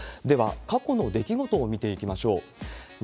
では、過去の出来事を見ていきましょう。